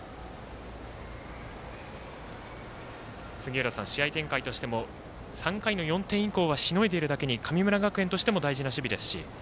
杉浦さん、試合展開としても３回の４点以降はしのいでいるだけに神村学園としても大事な守備ですし。